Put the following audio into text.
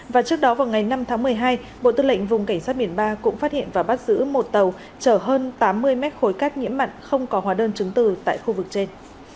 và trước đó vào ngày năm tháng một mươi hai bộ tư lệnh vùng cảnh sát biển ba cũng phát hiện và bắt giữ một tàu chở hơn tám mươi mét khối cát nhiễm mặn không có hóa đơn chứng từ tại khu vực trên